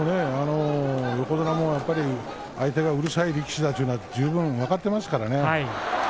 横綱も相手がうるさい力士だというのは十分分かってますからね。